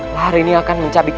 lahar ini akan mencabikkan